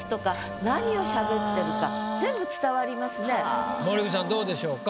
そしたら森口さんどうでしょうか？